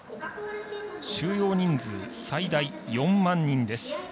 収容人数最大４万人です。